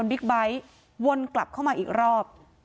บิ๊กไบท์วนกลับเข้ามาอีกรอบ